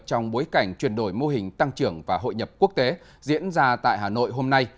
trong bối cảnh chuyển đổi mô hình tăng trưởng và hội nhập quốc tế diễn ra tại hà nội hôm nay